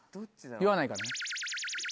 言わないからね。